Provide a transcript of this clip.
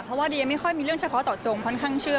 เพราะว่าเดียไม่ค่อยมีเรื่องเฉพาะเจาะจงค่อนข้างเชื่อ